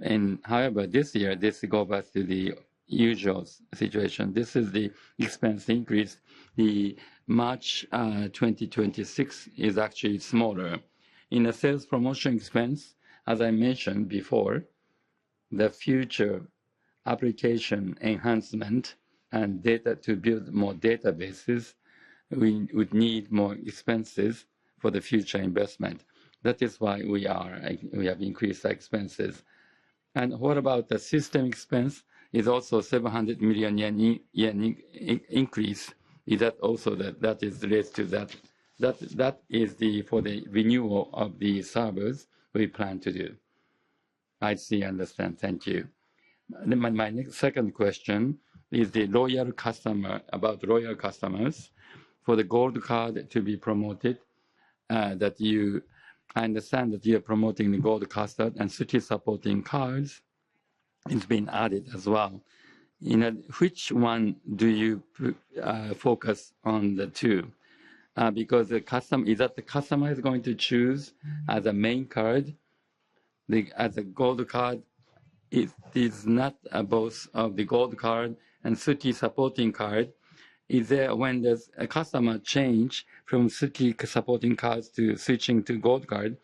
This year, this go back to the usual situation. This is the expense increase. The March 2026 is actually smaller. In the sales promotion expense, as I mentioned before, the future application enhancement and data to build more databases, we would need more expenses for the future investment. That is why we have increased expenses. What about the system expense? Is also 700 million yen increase. Is that also that is related to that? That is for the renewal of the servers we plan to do. I see, understand. Thank you. My second question is about loyal customers. For the Gold Card to be promoted, I understand that you're promoting the Gold Card and Suica supporting cards, it's been added as well. In which one do you focus on the two? Is that the customer is going to choose as a main card, as a Gold Card? If it's not both of the Gold Card and Suica supporting card, when there's a customer change from Suica supporting cards to switching to Gold Card,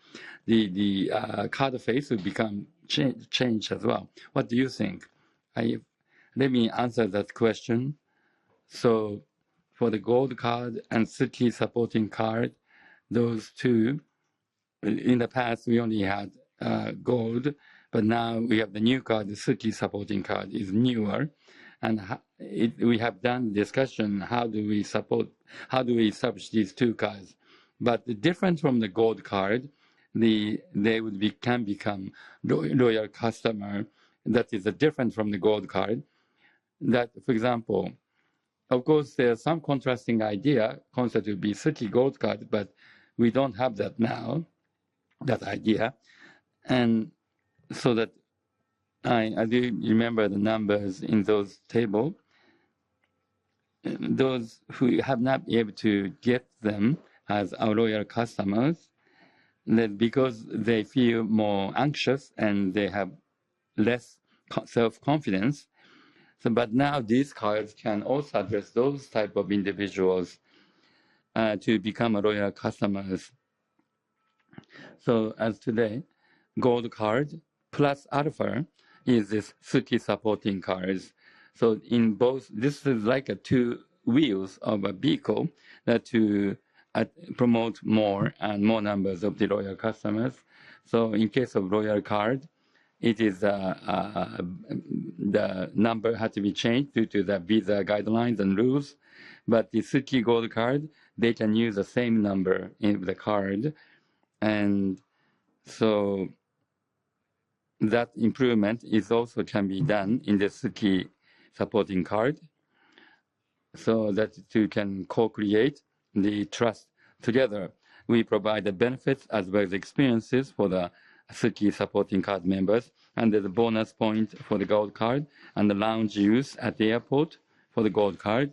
the card phase will become changed as well. What do you think? Let me answer that question. For the Gold Card and Suica supporting card, those two, in the past, we only had Gold, but now we have the new card. The Suica supporting card is newer, and we have done discussion, how do we support, how do we subsidize these two cards? The difference from the Gold Card, they can become loyal customer. That is the difference from the Gold Card. For example, of course, there are some contrasting idea, concept will be Suica Gold Card, we don't have that now, that idea. I do remember the numbers in those table. Those who have not been able to get them as our loyal customers, because they feel more anxious, and they have less self-confidence. Now these cards can also address those type of individuals to become loyal customers. As today, Gold Card plus alpha is this Suica supporting cards. In both, this is like a two wheels of a vehicle that promote more and more numbers of the loyal customers. In case of loyal card, the number had to be changed due to the Visa guidelines and rules. The Suica Gold Card, they can use the same number in the card. That improvement is also can be done in the Suica support card so that you can co-create the trust together. We provide the benefits as well as experiences for the Suica support card members, and there's a bonus point for the Gold Card and the lounge use at the airport for the Gold Card.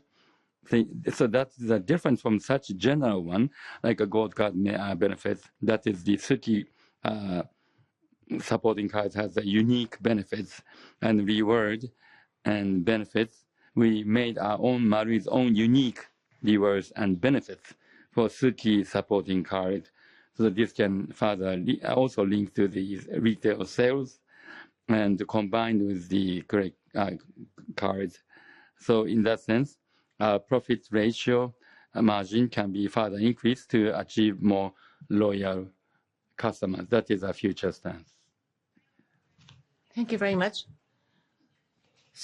That's the difference from such general one, like a Gold Card benefits. That is the Suica supporting cards has a unique benefits and reward and benefits. We made our own, Marui's own unique rewards and benefits for Suica support card, so that this can further also link to these retail sales and combined with the credit cards. In that sense, profit ratio margin can be further increased to achieve more loyal customers. That is our future stance. Thank you very much.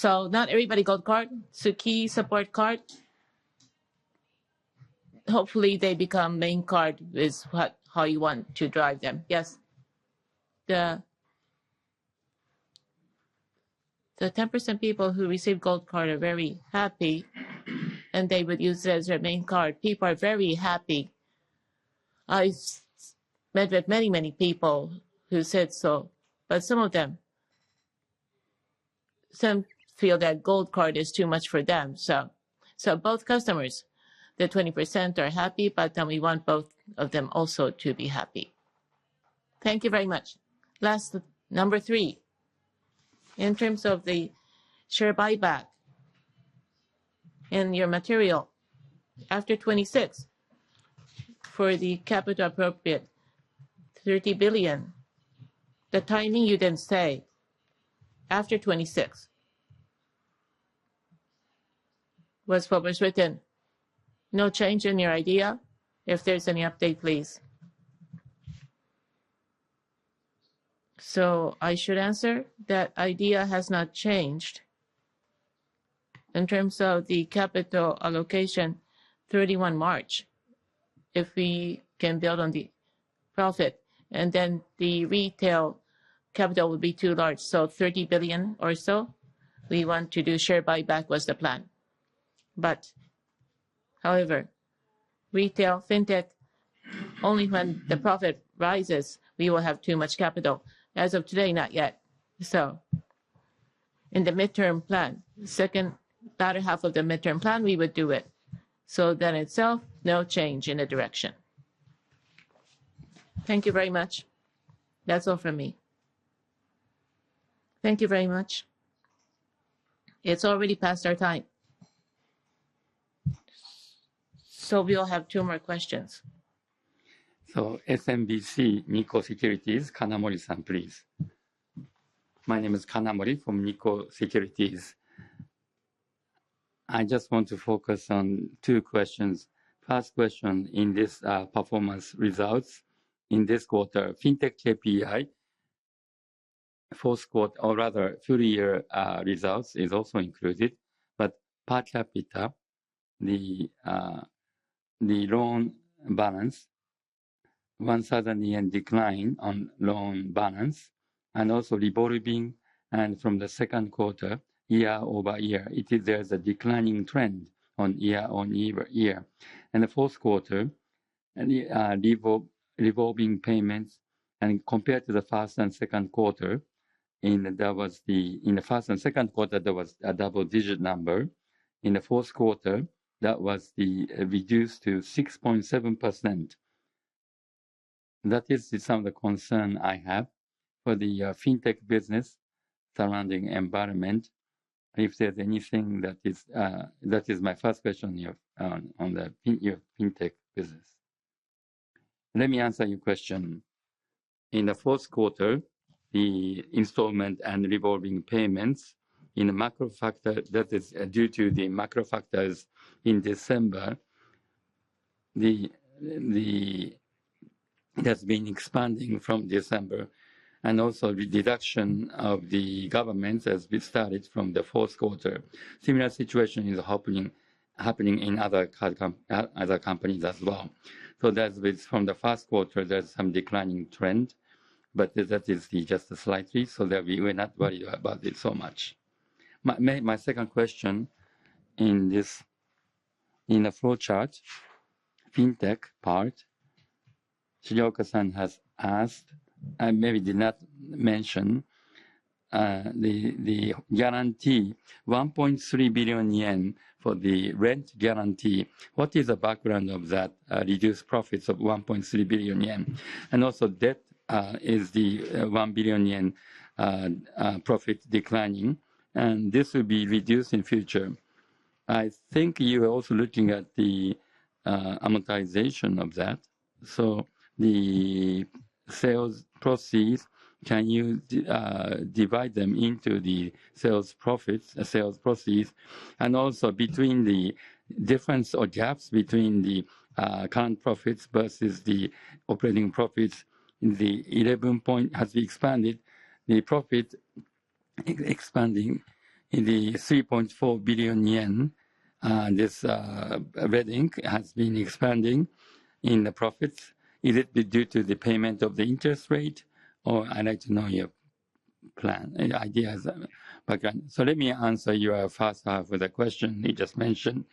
Not everybody Gold Card, Suica support card. Hopefully, they become main card is how you want to drive them. Yes. The 10% people who receive Gold Card are very happy, and they would use it as their main card. People are very happy. I met with many people who said so, but some of them feel that Gold Card is too much for them. Both customers, the 20% are happy, we want both of them also to be happy. Thank you very much. Last, number three. In terms of the share buyback in your material, after 26 for the capital appropriate, 30 billion. The timing you didn't say. After 26 was what was written. No change in your idea? If there's any update, please. I should answer, that idea has not changed. In terms of the capital allocation, 31 March, if we can build on the profit, the retail capital will be too large, 30 billion or so we want to do share buyback was the plan. However, retail FinTech, only when the profit rises, we will have too much capital. As of today, not yet. In the midterm plan, second better half of the midterm plan, we would do it. That itself, no change in the direction. Thank you very much. That's all from me. Thank you very much. It's already past our time. We'll have two more questions. SMBC Nikko Securities, Kanamori-san, please. My name is Kanamori from Nikko Securities. I just want to focus on two questions. First question. In this performance results in this quarter, FinTech KPI, full year results is also included. Per capita, the loan balance, 1,000 decline on loan balance, and also revolving, and from the second quarter, year-over-year, there's a declining trend on year. In the fourth quarter, revolving payments compared to the first and second quarter, in the first and second quarter, there was a double-digit number. In the fourth quarter, that was reduced to 6.7%. That is some of the concern I have for the FinTech business surrounding environment. That is my first question on your FinTech business. Let me answer your question. In the fourth quarter, the installment and revolving payments, that is due to the macro factors in December. It has been expanding from December, and also the deduction of the government has been started from the fourth quarter. Similar situation is happening in other companies as well. That's why from the first quarter, there's some declining trend, but that is just slightly, so that we will not worry about it so much. My second question, in the flowchart, FinTech part, Shigeoka-san has asked, and maybe did not mention, the guarantee, 1.3 billion yen for the rent guarantee. What is the background of that reduced profits of 1.3 billion yen? Debt is the 1 billion yen profit declining, and this will be reduced in future. I think you are also looking at the amortization of that. The sales proceeds, can you divide them into the sales proceeds? Between the difference or gaps between the current profits versus the operating profits, the 11 points has expanded, the profit expanding in the 3.4 billion yen, this red ink has been expanding in the profits. Is it due to the payment of the interest rate, or I'd like to know your plan, your ideas. Let me answer your first half of the question you just mentioned.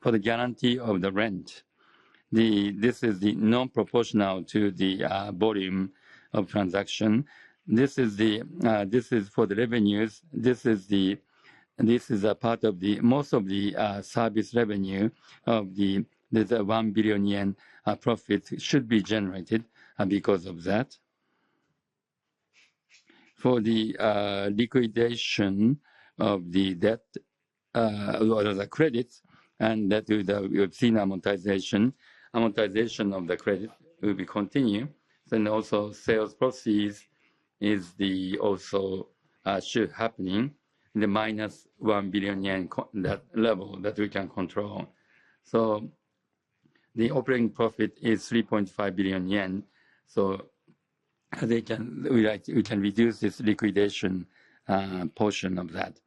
For the guarantee of the rent, this is non-proportional to the volume of transaction. This is for the revenues. This is a part of most of the service revenue of the 1 billion yen profits should be generated because of that. For the liquidation of the debt, or the credits, that we have seen amortization. Amortization of the credit will be continued. Also sales proceeds should happening in the minus 1 billion yen, that level that we can control. The operating profit is 3.5 billion yen, so we can reduce this liquidation portion of that,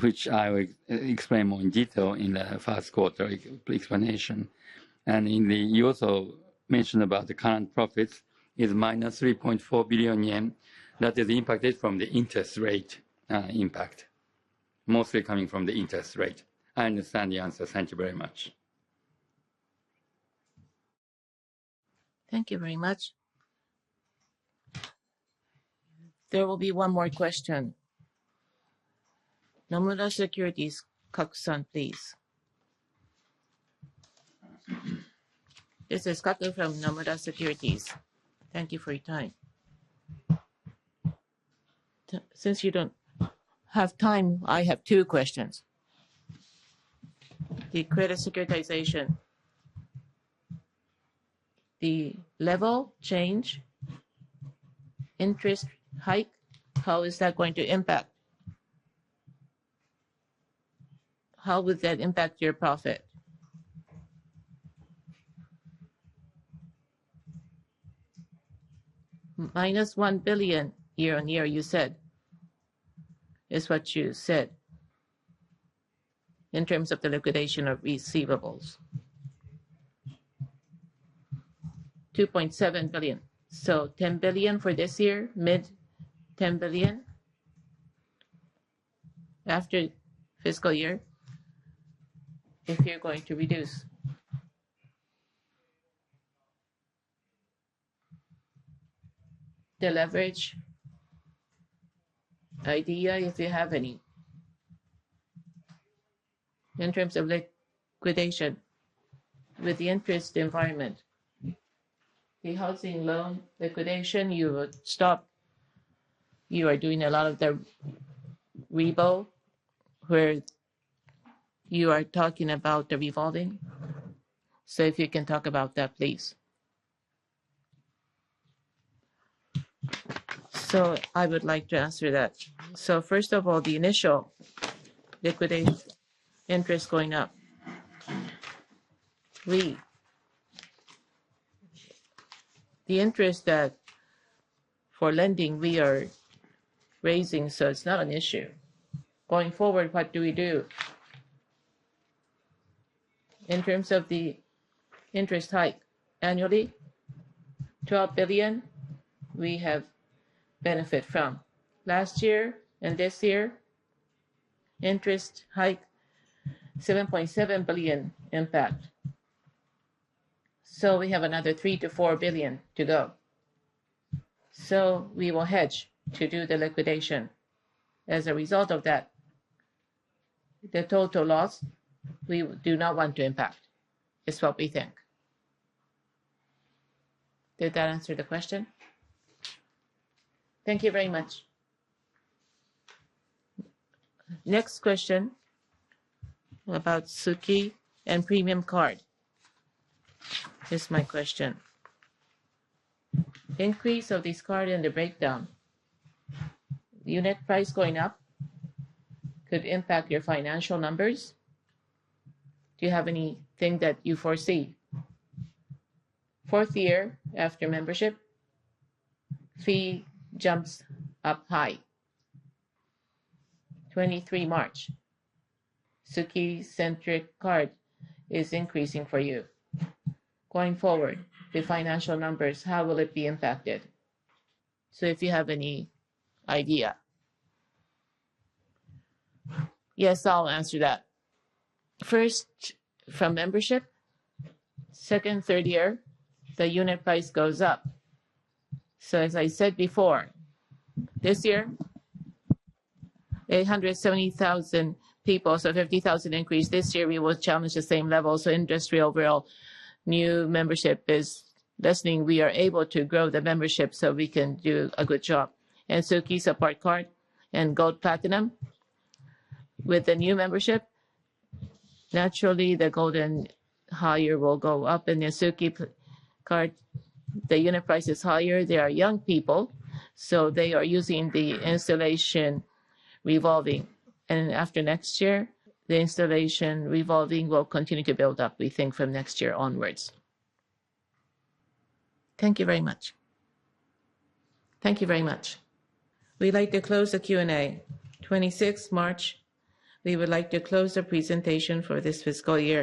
which I will explain more in detail in the first quarter explanation. You also mentioned about the current profits is minus 3.4 billion yen. That is impacted from the interest rate impact, mostly coming from the interest rate. I understand the answer. Thank you very much. Thank you very much. There will be one more question. Nomura Securities, Kaku-san, please. This is Kaku from Nomura Securities. Thank you for your time. Since you don't have time, I have two questions. The credit securitization. The level change, interest hike, how is that going to impact? How would that impact your profit? Minus 1 billion year-on-year, you said, is what you said in terms of the liquidation of receivables. 2.7 billion. 10 billion for this year, mid 10 billion after fiscal year, if you're going to reduce. The leverage idea, if you have any, in terms of liquidation with the interest environment. The housing loan liquidation, you would stop. You are doing a lot of the revolving, where you are talking about the revolving. If you can talk about that, please. I would like to answer that. First of all, the initial liquidation interest going up. The interest for lending, we are raising, so it's not an issue. Going forward, what do we do? In terms of the interest hike annually, 12 billion we have benefit from last year and this year, interest hike 7.7 billion impact. We have another 3 billion to 4 billion to go. We will hedge to do the liquidation. As a result of that, the total loss, we do not want to impact is what we think. Did that answer the question? Thank you very much. Next question about Suica and Platinum Card is my question. Increase of this card and the breakdown. Unit price going up could impact your financial numbers. Do you have anything that you foresee? Fourth year after membership, fee jumps up high. 2023 March, Suica-centric card is increasing for you. Going forward, the financial numbers, how will it be impacted? If you have any idea. Yes, I'll answer that. First, from membership. Second, third year, the unit price goes up. As I said before, this year, 870,000 people, 50,000 increase. This year, we will challenge the same level. Industry overall, new membership is lessening. We are able to grow the membership so we can do a good job. Suica support card and Gold Platinum. With the new membership, naturally, the Gold and higher will go up. The Suica card, the unit price is higher. They are young people, so they are using the installation revolving. After next year, the installation revolving will continue to build up, we think from next year onwards. Thank you very much. Thank you very much. We'd like to close the Q&A. 26 March, we would like to close the presentation for this fiscal year.